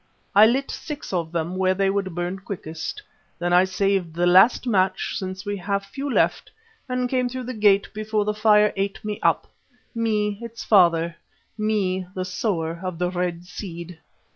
I lit six of them where they would burn quickest. Then I saved the last match, since we have few left, and came through the gate before the fire ate me up; me, its father, me the Sower of the Red Seed!"